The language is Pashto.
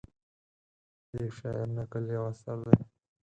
د یوه شاعر نکل یو اثر دی.